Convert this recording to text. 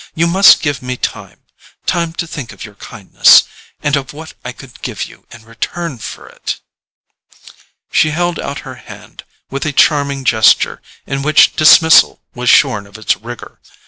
You must give me time—time to think of your kindness—and of what I could give you in return for it——" She held out her hand with a charming gesture in which dismissal was shorn of its rigour.